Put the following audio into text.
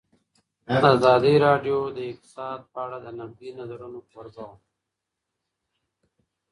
ازادي راډیو د اقتصاد په اړه د نقدي نظرونو کوربه وه.